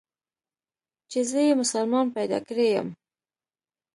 چې زه يې مسلمان پيدا کړى يم.